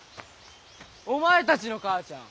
お前たちの母ちゃん